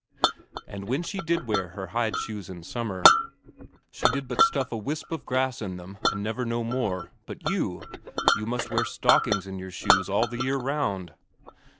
And when she did wear her hide shoes in summer, she did but stuff a wisp of grass in them, and never no more. But you you must wear stockings in your shoes all the year round."